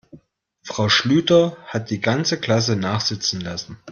Frau Schlüter hat die ganze Klasse nachsitzen lassen.